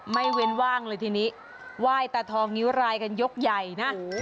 เว้นว่างเลยทีนี้ไหว้ตาทองนิ้วรายกันยกใหญ่นะ